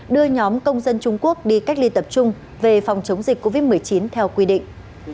đưa nhóm công dân trung quốc đi cách ly tập trung về phòng chống dịch covid một mươi chín theo quy định